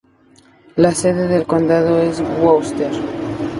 La sede del condado es Wooster.